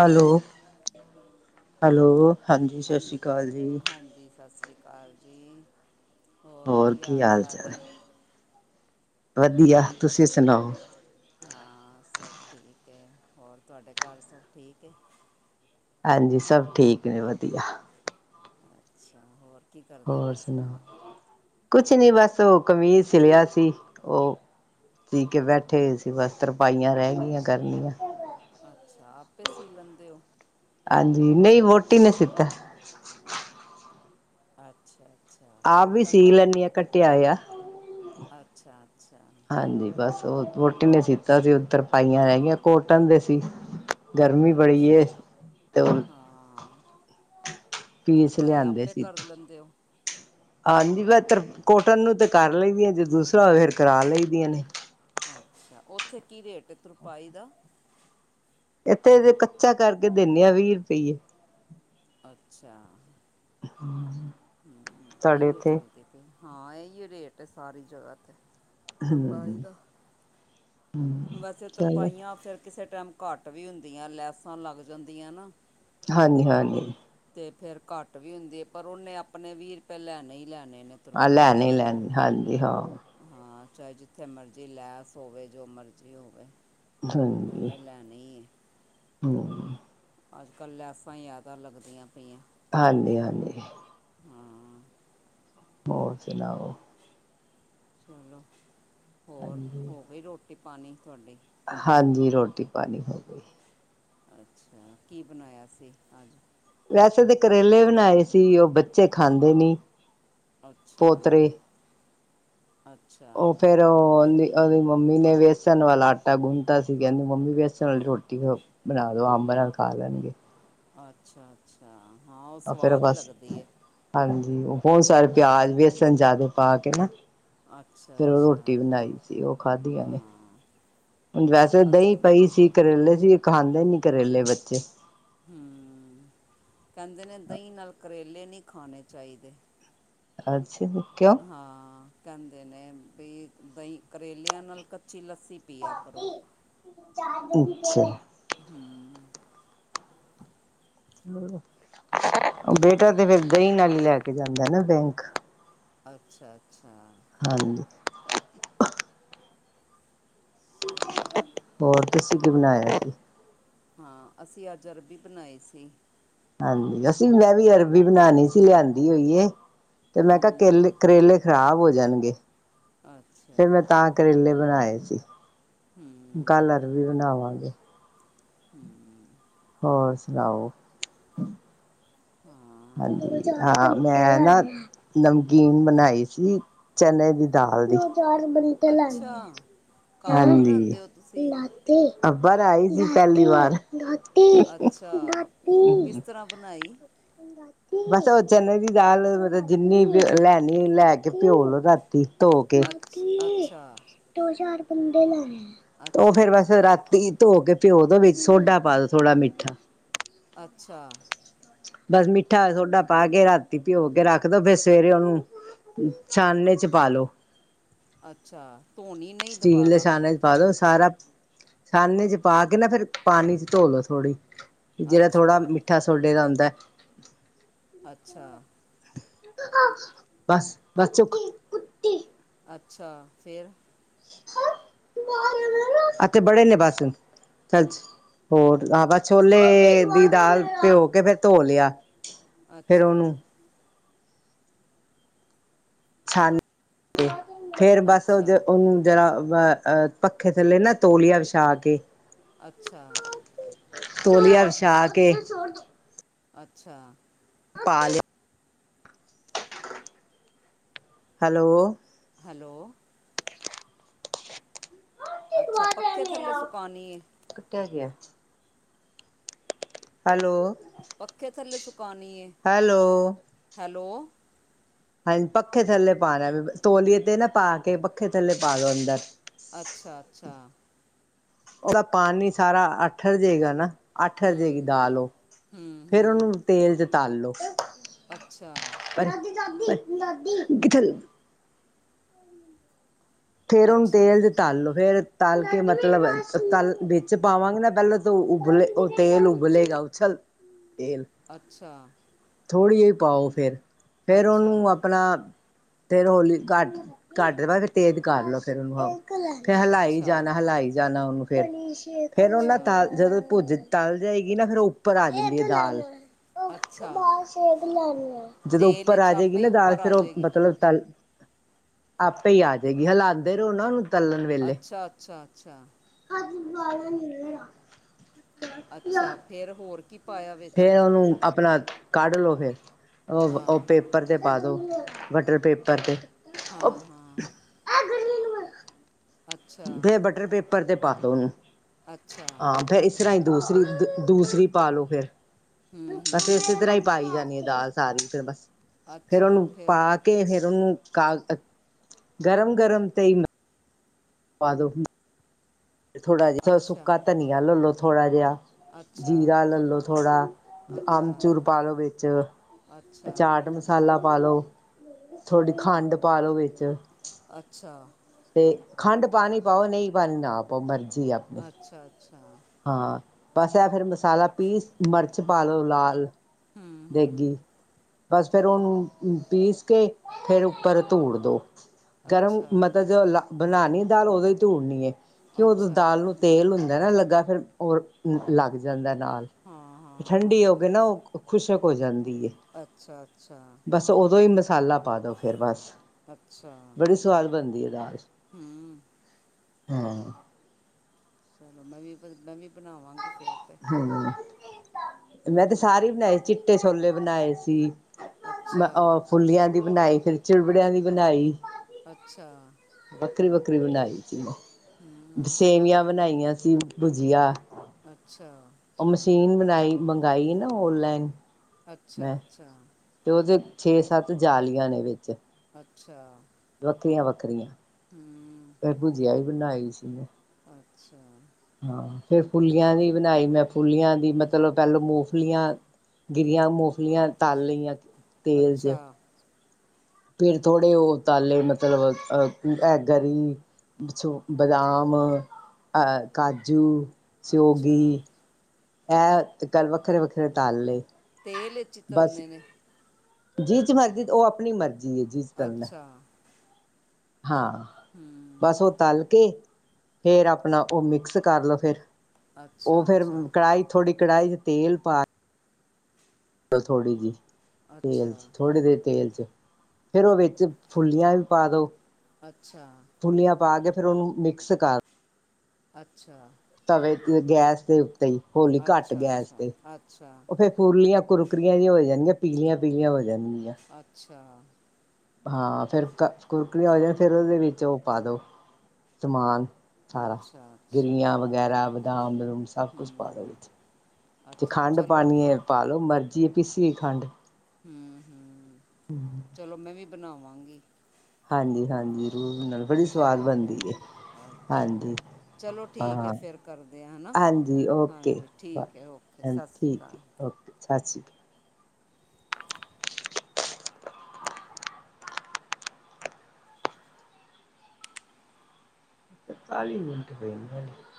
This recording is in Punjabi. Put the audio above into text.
ਹੈਲੋ। ਹੈਲੋ। ਹਾਂਜੀ ਸਤਿ ਹੈਲੋ ਸ਼੍ਰੀ ਅਕਾਲ ਜੀ। ਹਾਂਜੀ ਸਸਰੀ ਅਕਾਲ ਜੀ। ਹੋਰ ਕੀ ਹਾਲ ਚਾਲ ਨੇ? ਵਧੀਆ। ਤੁਸੀਂ ਸੁਣਾਓ? ਹਾਂ ਸਭ ਠੀਕ ਐ। ਹੋਰ ਤੁਹਾਡੇ ਘਰ ਸਭ ਠੀਕ ਏ? ਹਾਂਜੀ। ਸਭ ਠੀਕ ਨੇ ਵਧੀਆ। ਅੱਛਾ ਹੋਰ ਕੀ ਕਰਦੇ ਹੋਰ ਪਏ ਸੀ ਸੁਣਾਓ? ਕੁਛ ਨੀ ਬਸ ਓ ਕਮੀਜ਼ ਸਿਲਿਆ ਸੀ। ਓ ਸੀ ਕੇ ਬੈਠੇ ਹੋਏ ਸੀ ਬਸ ਤਰਪਾਈਆਂ ਰਹਿ ਗਈਆਂ ਕਰਨੀਆਂ। ਅੱਛਾ। ਆਪੇ ਸੀ ਲੈਂਦੇ ਹੋ? ਹਾਂਜੀ ਨਹੀਂ ਵੋਟੀ ਨੇ ਸੀਤਾ। ਅੱਛਾ- ਅੱਛਾ। ਆਪ ਵੀ ਕੋਟਨ ਸੀ ਦਾ? ਲੈਂਦੀ ਆ ਕੱਟਿਆ ਹੋਇਆ। ਅੱਛਾ- ਅੱਛਾ। ਹਾਂਜੀ ਬਸ ਓ ਵੋਹਟੀ ਨੇ ਸੀਤਾ ਸੀ। ਹੁੱਣ ਤਰਪਾਈਆਂ ਰਹਿ ਗਈਆਂ। ਕੋਟਨ ਦੇ ਸੀ। ਗਰਮੀ ਬੜੀ ਅੱਛਾ ਏ ਤੇ ਹੋਰ ਹਾਂ ਪੀਸ ਤੁਰਪਾਈ ਲਿਆਂਦੇ ਆਪੇ ਸੀ। ਕਰ ਲੈਂਦੇ ਹੋ ਹਾਂਜੀ [unintelligible] ਕੋਟਨ ਨੂੰ ਤੇ ਕਰ ਲਈਦੀਆਂ ਜੇ ਦੂਸਰਾ ਹੋ ਫੇਰ ਕਰਾ ਲਈਦੀਆਂ ਨੇ। ਅੱਛਾ‌। ਉੱਥੇ ਕੀ ਰੇਟ ਹੈ ਤੁਰਪਾਈ ਦਾ? ਇੱਥੇ ਤੇ ਕੱਚਾ ਕਰਕੇ ਦਿੰਨੇ ਆਂ ਵੀਹ ਰੁਪਈਏ। ਅੱਛਾ। [unintelligible] ਹਮ ਤੁਹਾਡੇ ਇਹੀਓ ਇੱਥੇ ਚੱਲਦੇ ਪਏ ਅ। ਇਹੀਓ ਰੇਟ ਹੈ ਸਾਰੀ ਜਗ੍ਹਾ ਤੇ ਤੁਰਪਾਈ ਹੂੰ ਦਾ। ਵੈਸੇ ਚਲੋ ਤੁਰਪਾਈਆਂ ਫਿਰ ਕਿਸੇ ਟਾਈਮ ਘੱਟ ਵੀ ਹੁੰਦੀਆਂ ਲੈਸਾਂ ਲੱਗ ਜਾਂਦੀਆਂ ਨਾ ਹਾਂਜੀ-ਹਾਂਜੀ। ਤੇ ਫੇਰ ਘੱਟ ਵੀ ਹੁੰਦੀ ਐ ਪਰ ਉਹਨੇ ਆਪਣੇ ਵੀਹ ਰੁਪਏ ਲੈਣੇ ਹੀ ਲੈਣੇ ਨੇ। ਆਹ ਤੁਰਪਾਈ ਲੈਣੇ ਈ ਵਾਲੀ ਲੈਣੇ। ਨੇ ਹਾਂਜੀ ਹਾਂ‌। ਹਾਂ ਚਾਹੇ ਜਿੱਥੇ ਮਰਜ਼ੀ ਲੈਸ ਹੋਵੇ, ਜੋ ਮਰਜ਼ੀ ਹੋਵੇ ਉਹਨੇ ਲੈਣੇ ਹੀ ਆ ਹਮ। ਅੱਜ ਕੱਲ੍ਹ ਲੈਸਾਂ ਜ਼ਿਆਦਾ ਲੱਗਦੀਆਂ ਪਈਐ। ਹਾਂਜੀ-ਹਾਂਜੀ। ਹਾਂ। ਹੋਰ ਸੁਣਾਓ? ਚਲੋ ਹੋਰ ਹਾਂਜੀ ਹੋ ਗਈ ਰੋਟੀ ਪਾਣੀ ਤੁਹਾਡੇ? ਹਾਂਜੀ ਰੋਟੀ ਪਾਣੀ ਹੋ ਗਈ। ਅੱਛਾ ਕੀ ਬਣਾਇਆ ਸੀ ਅੱਜ? ਵੈਸੇ ਤਾਂ ਕਰੇਲੇ ਬਣਾਏ ਸੀ। ਉਹ ਬੱਚੇ ਖਾਂਦੇ ਨੀ ਅੱਛਾ- ਪੋਤਰੇ ਅੱਛਾ। ਤੇ ਉਹਦੀ-ਉਹਦੀ ਮੰਮੀ ਨੇੇ ਵੇਸਣ ਵਾਲਾ ਆਟਾ ਗੁੰਣਤਾ ਸੀ। ਕਹਦੀ ਮੰਮੀ ਵੇਸਣ ਵਾਲੀ ਰੋਟੀ ਬਨਾ ਦੋ ਅੰਬ ਨਾਲ ਖਾ ਲੈਨਗੇ ਅੱਛਾ ਅੱਛਾ ਹਾਂ ਓ ਫੇਰ ਸਵਾਦ ਬਸ ਲੱਗਦੀ ਏ। ਹਾਂਜੀ ਬੋਤ ਸਾਰੇ ਪਿਆਜ ਵੇਸਨ ਜਾਦਾ ਪਾ ਕੇ ਨਾ ਅੱਛਾ ਫੇਰ ਓ ਅੱਛਾ ਰੋਟੀ ਬਨਾਈ ਸੀ ਓ ਖਾਧੀਆ ਨੇ ਹਾਂ ਹੁਨ ਵੈਸੇ ਅਸੀਂ ਦਹੀ ਪਈ ਸੀ ਕਰੇਲੇ ਸੀ ਖਾਂਦੇ ਨੀ ਕਰੇਲੇ ਬੱਚੇ ਹਮ ਕੇਂਦੇ ਨੇ ਦਹੀ ਨਾਲ ਕਰੇਲੇ ਨੀ ਖਾਨੇ ਚਾਈਦੇ ਅੱਛਾ ਜੀ ਕਯੋ ਹਾਂ ਕੇਂਦੇ ਨੇ ਬਈ ਦਹੀ ਕਰੇਲਆ ਨਾਲ ਕੱਚੀ ਲੱਸੀ ਪੀਆ ਕਰੋ ਅੱਛਾ। ਹਮ। ਬੇਟਾ ਚਲੋ ਤੇ ਫੇਰ ਦਹੀ ਨਾਲ ਈ ਲੈ ਕੇ ਜਾਂਦਾ ਨਾ ਬੈਂਕ ਅੱਛਾ ਅੱਛਾ। ਹਾਂਜੀ। ਚਲੋ। ਹੋਰ ਤੁਸੀ ਕੀ ਬਨਾਆ ਸੀ? ਹਾਂ ਅਸੀਂ ਅੱਜ ਅਰਬੀ ਬਨਾਈ ਸੀ ਹਾਂਜੀ ਅਸੀ ਮੈਂ ਵੀ ਅਰਬੀ ਬਨਾਨੀ ਸੀ ਲਿਆਂਦੀ ਹੋਈ ਏ ਤੇ ਮੈਂ ਕਯਾ ਹੂੰ ਕੇਲ ਕਰੇਲੇ ਖਰਾਬ ਹੋ ਜਨਗੇ ਅ ਫੇਰ ਮੈਂ ਤਾਂ ਕਰੇਲੇ ਬਨਾਏ ਸੀ ਹਮ। ਕੱਲ ਅਰਬੀ ਬਨਾਵਾਂਗੇ ਹਮ। ਹੋਰ ਸੁਨਾਓ ਹਾਂ। ਹਾਂਜੀ ਹਾਂ ਮੈਂ ਨਾ ਨਮਕੀਨ ਬਨਾਈ ਸੀ ਚਨੇ ਦੀ ਦਾਲ ਦੀ ਅੱਛਾ ਘਰ ਹਾਂਜੀ। ਬਣਾਉਂਦੇ ਹੋ ਤੁਸੀਂ ਅੱਬਰ ਆਈ ਸੀ ਪੇਲੀ ਵਾਰ ਦਾਦੀ। ਅੱਛਾ। ਕਿਸ ਤਰਾਂ ਬਨਾਈ? ਬਸ ਓ ਚਨੇ ਦੀ ਦਾਲ ਮਤਲ ਜਿੰਨੀ ਲੈਨੀ ਲੈ ਕੇ ਪਿਓ ਲਓ ਰਾ ਤੋ ਕੇ ਅੱਛ ਦਾਦੀ ਅੱਛਾ ਦੋ ਚਾਰ ਬੰਦੇ ਲੈਨੇ ਆ। ਓ ਅੱਛਾ ਫੇਰ ਬਸ ਅੱਛਾ ਰਾਤੀ ਧੋ ਕੇ ਪਿਓ ਦੋ ਵਿੱਚ ਸੋਡਾ ਪਾ ਦੋ ਥੋੜਾ ਮਿੱਠਾ। ਅੱਛਾ। ਬਸ ਮਿੱਠਾ ਸੋਡਾ ਪਾ ਕੇ ਰਾਤੀ ਪਿਓ ਕੇ ਰੱਖਦੋ ਫੇਰ ਸਵੇਰੇ ਔਨੂੰ ਛਾਨਨੇ ਚ ਪਾ ਲੋ। ਅੱਛਾ। ਧੋਨੀ ਨਈ ਸਟੀਲ ਦੇ ਦੁਬਾਰਾ? ਛਾਨਣੇ ਚ ਪਾ ਦੋ ਸਾਰਾ ਛਾਨਨੇ ਚ ਪਾ ਕੇ ਨਾ ਫੇਰ ਪਾਨੀ ਚ ਧੋਲੋ ਥੋੜੀ। ਜੇੜਾ ਅੱਛਾ ਥੋੜਾ ਮਿੱਠਾ ਸੋਡੇ ਦਾ ਹੁੰਦਾ ਐ। ਅੱਛਾ। ਬਸ ਬਸ ਚੁਕ। ਅੱਛਾ। ਫੇਰ? ਅੱਥੇ ਬੜੇ ਨੇ ਬਸ ਚੱਲ। ਹੋਰ ਆਹ ਬਸ ਛੋਲੇ ਦੀ ਦਾਲ ਭੇਂਓ ਕੇ ਫੇਰ ਧੋ ਲੇਆ। ਅੱਛਾ। ਛਾਨ ਕੇ। ਫੇਰ ਬਸ ਓ ਅੱਛਾ ਔਨੂੰ ਜਰਾ ਅ ਅ ਪੱਖੇ ਥੱਲੇ ਨਾ ਤੌਲੀਆ ਵਿਛਾ ਕੇ ਅੱਛਾ। ਤੋਲੀਆ ਵਿਛਾ ਕੇ। ਅੱਛਾ। ਪਾਲੇਆ। ਹੈਲੋ। ਹੈਲੋ। ਅੱਛਾ ਪੱਖੇ ਥੱਲੇ ਸੁਕਾਨੀ ਏ? ਕੱਟਿਆ ਗਿਐ। ਹੈਲੋ। ਪੱਖੇ ਥੱਲੇ ਸੁਕਾਨੀ ਏ। Hello hello. ਹਾਂਜ ਪੱਖੇ ਥੱਲੇ ਪਾਣਾ ਤੌਲੀਏ ਤੇ ਨਾ ਪਾ ਕੇ ਪੱਖੇ ਥੱਲੇ ਪਾ ਦਉ ਅੰਦਰ। ਅੱਛਾ ਅੱਛਾ। ਔਦਾ ਪਾਣੀ ਸਾਰਾ ਆਠਰ ਜੇਗਾ ਨਾ। ਆਠਰ ਜੇਗੀ ਹੂੰ ਦਾਲ ਓ। ਹੂੰ ਫੇਰ ਹੂੰ ਔਨੂੰ ਤੇਲ ਚ ਤਲ ਲੋ। ਅੱਛਾ। [unintelligible] ਫੇਰ ਔਨੂੰ ਅੱਛਾ ਤੇਲ ਦਿ ਤਲ ਲੋ ਫੇਰ ਤਲ ਕੇ ਮਤਲਬ ਤਲ ਵਿੱਚ ਪਾਵਾਂਗੇ ਨਾ ਪੈਲੇ ਤੇ ਉਬਲੇ ਓ ਤੇਲ ਉਬਲੇਗਾ ਉਛਲ ਤੇਲ। ਅੱਛਾ। ਥੋੜੀ ਜਈ ਪਾਓ ਫੇਰ ਫੇਰ ਅੱਛਾ, ਓਨੂੰ ਆਪ ਅਪਣਾ ਫੇਰ ਹੋਲੀ ਘੱਟ ਘੱਟ ਵਾ ਤੇ ਤੇਜ਼ ਕਰ ਲੋ ਫੇਰ ਓਨੂੰ। ਫੇਰ ਹਲਾਈ ਅੱਛਾ, ਜਾਣਾ ਹਲਾਈ ਜਾਣਾ ਓਨੂੰ ਫੇਰ ਫੇਰ ਓ ਨਾ ਅੱਛਾ, ਤਲ ਜਦੋਂ ਭੁਜ ਤਲ ਜਾਏਗੀ ਨਾ ਫੇਰ ਓ ਉੱਪਰ ਆ ਜਾਂਦੀ ਏ ਦਾਲ। ਅੱਛਾ ਜਦੋਂ ਤੇਲ ਉੱਪਰ ਏਚ ਆ ਜੇਗੀ ਆਪੇ ਈ ਨਾ ਦਾਲ ਉੱਪਰ ਫੇਰ ਆ ਓ ਜੇਗੀ। ਮਤਲਬ ਤਲ, ਆਪੇ ਈ ਆ ਜੇਗੀ ਹਲਾਂਦੇ ਰਹੋ ਨਾ ਓਨੂੰ। ਤਲਣ ਵੇਲੇ। ਅੱਛਾ, ਅੱਛਾ, ਅੱਛਾ, ਅੱਛਾ। ਫੇਰ ਹੋਰ ਕੀ ਪਾਇਆ ਵਿੱਚ? ਫੇਰ ਓਨੂੰ ਅਪਣਾ ਕੱਢ ਲੋ ਫੇਰ। ਓ ਓ ਪੇ ਹਾਂ, ਪੇਪਰ ਤੇ ਪਾ ਦੋ। ਬਟਰ ਪੇਪਰ ਤੇ। ਉਹ ਹਾਂ ਹਾਂ। ਅੱਛਾ, ਫਿਰ ਬਟਰ ਪੇਪਰ ਤੇ ਪਾ ਤੋ ਉਹਨੂੰ ਅੱਛਾ ਹਾਂ ਫਿਰ ਇਸ ਤਰਾ ਹੀਂ ਦੂਸਰੀ, ਦੂਸਰੀ ਪਾਲੋ ਫੇਰ ਹਮ-ਹਮ। ਫ ਇਸੇ ਤਰ੍ਹਾਂ ਹੀ ਪਾਈ ਜਾਂਣੀ ਹੈ ਦਾਲ ਸਾਰੀ ਫਰ ਬਸ ਫੇਰ ਉਹਨੂੰ ਪਾ ਕੇ ਕੇ ਫੇਰ ਉਹਨੂੰ ਕਾ ਗਰਮ-ਗਰਮ ਤੇ ਪਾਦੋ ਥੋੜਾ ਜਿਹਾ ਅੱਛਾ, ਸੁੱਕਾ ਧਨੀਆ ਲਿਲੋ ਥੋੜਾ ਜਿਹਾ। ਅੱਛਾ, ਜੀਰਾ ਲੈਲੋ ਥੋੜਾ ਅੱਛਾ, ਅਮਚੂਰ ਪਾਾਲ ਲੋ ਵਿੱਚ ਅੱਛਾ, ਚਾਟ ਮਸਾਲਾ ਪਾ ਲਉ ਥੋੜ੍ਹੀ ਖੰਡ ਪਾ ਲਉ ਵਿੱਚ ਅੱਛਾ। ਤੇ ਖੰਡ ਪਾਣੀ ਪਾਓ ਨਈ ਪਾਣੀ ਨਾ ਪਾਓ ਮਰਜ਼ੀ ਆਪ ਆਛਾ ਛਾ। ਹਾਂ ਬਸ ਐ ਫੇਰ ਮਸਾਲਾ ਪੀਸ ਮੈਰਚ ਪਾ ਲੋ ਲਾਲ ਹੂੰ, ਹੂੰ ਦੇਗੀ ਬਸ ਫੇਰ ਓਨੂੰ ਪੀਸ ਕੇ ਫੇਰ ਉਪਰ ਧੂੜ ਦੋ ਗਰਮ ਅੱਛਾ, ਮਤਲਬ ਜੋ ਲ ਬਣਾਣੀ ਦਾਲ ਉਹੋਂ ਹੀ ਧੂੜਨੀ ਐ ਕੀ ਉਦੋ ਅੱਛਾ ਦਾਲ ਨੂੰ ਤੇਲ ਹੁੰਦਾ ਨਾ ਲੱਗਾ ਫੇਰ ਹੋਰ ਲੱਗ ਜਾਂਦਾ ਨਾਲ ਹਾਂ, ਹਾਂ, ਠੰਡੀ ਹਾਂ ਹੋ ਕੇ ਨਾ ਓ ਉਹ ਖੁਸ਼ਕ ਹੋ ਜਾਂਦੀ ਏ, ਅੱਛਾ, ਅੱਛਾ, ਬਸ ਓਦੋਂ ਈ ਮਸਾਲਾ ਪਾ ਦੋ ਫੇਰ ਬਸ, ਅੱਛਾ ਬੜੀ ਸੋਆਦ ਬਣਦੀ ਐ ਰਾਜ ਹੂੰ ਹਾਂ। ਚਲੋ ਮੈਂ ਵੀ ਫੇਰ ਮੈਂ ਵੀ ਬਣਾਵਾਂਗੀ ਫੇਰ ਤੇ। ਹੂੰ ਮੈਂ ਤੇ ਹੂੰ ਸਾਰੇ ਬਣਾਏ ਈ ਚੀਟੇ ਛੋਲੇ ਬਣਾਏ ਸੀ। ਅੱਛਾ ਮੈ ਔ ਫੁੱਲੀਆਂ ਦੀ ਬਣਾਈ ਫੇਰ ਚਿੜਵੜੇਆਂ ਦੀ ਬਣਾਈ ਅੱਛਾ ਵੱਕਰੀ-ਵੱਕਰੀ ਬਣਾਈ ਸੀ। ਊ ਸੇਵੀਆਂ ਬਣਾਈਆਂ ਸੀ ਭੁਜੀਆ ਅਛਾ। ਓ ਮਸ਼ੀਨ ਬਣਾਈ ਮੰਗਈ ਨਾ ਓਨਲੈਨ ਅਛਾ-ਅਛਾ। ਤੇ ਦੇ ਛੇ-ਸੱਤ ਜਾਲੀਆਂ ਨੇ ਵੇਚ ਅਛਾ। ਵੱਕਰੀਆਂ-ਵੱਕਰੀਆਂ। ਹੂੰ ਫੇਰ ਭੁਜੀਆ ਈ ਵੀ ਬਨਾਈ ਸੀ ਮੈ। ਅਛਾ। ਹਾਂ ਫੇਰ ਫੁੱਲੀਆਂ ਦੀ ਬਣਾਈ ਮੈਂ ਫੁੱਲੀਆਂ ਦੀ ਮਤਲਬ ਪੈਲਾਂ ਮੌਫਲੀਆਂ ਗੀਰੀਆਂ ਮੋਫਲੀਆਂ ਤਾ ਲਈਆਂ ਅਛਾ। ਫੇਰ ਥੋੜੇ ਓ ਤਾਲੇ ਮਤਲਬ ਅਆ ਐ ਗਰੀ ਸੋ ਬਦਾਮ, ਐ ਕਾਜੂ, ਅੱਛਾ ਸੋਗੀ ਐ ਤੇ ਕੱਲ ਵੱਖਰੇ-ਵੱਖਰੇ ਤਾਲ ਲਏ ਤੇਲ ਵੀਚ ਧੋਨੇ ਨੇ? ਜੀਚ ਮਰਜੀ ਤੇ ਓ ਆਪਣੀ ਮਰਜ਼ੀ ਏ। ਅਛਾ। ਹਾਂ ਹੂੰ ਬਸ ਓ ਤਲ ਕੇ ਫੇਰ ਆਪਣਾ ਓ ਮੀਕਸ ਕਰ ਲੋ ਫੇਰ ਓ ਅੱਛਾ ਫੇਰ ਅੱਛਾ ਕੜਾਈ ਥੋੜੀ ਕੜਾਈ ਚ ਤੇਲ ਪਾ ਅਲ ਥੋੜੀ ਜੀ, ਤੇਲ ਅੱਛਾ ਚ ਥੋੜੀ ਦੇ ਤੇਲ ਚ ਫੇਰ ਓ ਵੇਚ ਫੁੱਲੀਆਂ ਵੀ ਪਾ ਦੋ ਅਛਾ। ਫੁੱਲੀਆਂ ਪਾ ਕੇ ਫੇਰ ਓਨੂੰ ਮੀਕਸ ਕਰ ਅਛਾ ਤਵੇ ਤੇ ਗੈਸ ਦੇ ਓਤੇ ਹੌਲੀ ਘੱਟ ਅੱਛਾ ਗੈਸ ਤੇ ਅੱਛਾ ਓ ਫੇਰ ਫੁਲੀਆਂ ਕੁਰਕਰੀਆਂ ਜੀਆਂ ਹੋ ਜਾਣੀਆਂ ਪੀਲੀਆਂ-ਪੀਲੀਆਂ ਹੋ ਜਾਣਗੀਆਂ। ਅਛਾ ਹਾਂ ਫੇਰ ਕਰ ਕੁਰਕੁਰੀ ਹੋ ਜਾ ਫੇਰ ਓਦੇ ਵਿੱਚ ਓ ਪਾ ਦੋ ਸਮਾਨ ਸਾਰਾ ਅੱਛਾ ਅੱਛਾ ਗਰੀਆਂ ਵਗੈਰਾ ਬਦਾਮ ਬਦੂਮ ਸਭ ਕੁਛ ਪਾ ਦੋ ਹੂੰ ਵਿਚ। ਜੇ ਅੱਛਾ ਖੰਡ ਚਲੋ ਪਾਣੀਏ ਪਾਲੋ ਮਰਜ਼ੀ ਏ ਪੀਸੀ ਹੋਈ ਖੰਡ। ਹੂੰ ਹੂੰ ਚਲੋ ਮੈਂ ਵੀ ਬਣਾਵਾਂਗੀ। ਹਾਂਜੀ-ਹਾਂਜੀ ਹਾਂ ਰੂਹ ਨਾਲ ਬੜੀ ਸਵਾਦ ਚਲੋ ਬਣਦੀ ਏ। ਅੱਛਾ ਚਲੋ ਠੀਕ ਐ ਫੇਰ ਕਰਦੇ ਆ ਹਨਾ। ਹਾਂਜੀ ਓਕੇ ਹਾਂਜੀ ਠੀਕ ਐ ਓ ਕੇ ਸਤਿ ਸ਼੍ਰੀ ਠੀਕ ਅਕਾਲ। ਹੈ ਓਕੇ ਸਤਿ ਸ਼੍ਰੀ ਅ ਕਾਲੀ [unintelligible]